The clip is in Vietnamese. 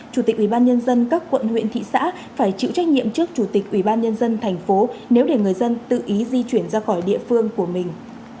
chủ tịch ubnd các quận huyện thị xã phải chịu trách nhiệm trước chủ tịch ubnd thành phố nếu để người dân tự ý di chuyển ra khỏi địa phương của mình